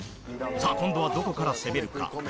さぁ今度はどこから攻めるか？